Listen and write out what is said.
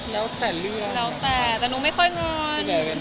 แล้วแต่แต่หนูไม่ค่อยงอน